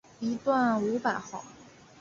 一段五百号